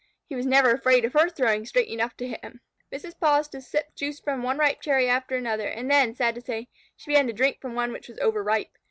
He was never afraid of her throwing straight enough to hit him. Mrs. Polistes sipped juice from one ripe cherry after another, and then, sad to say, she began to drink from one which was over ripe.